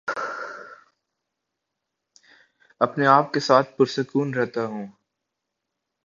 اپنے آپ کے ساتھ پرسکون رہتا ہوں